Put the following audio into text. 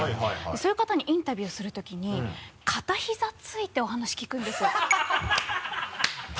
そういう方にインタビューするときに片膝ついてお話聞くんですよ。ハハハ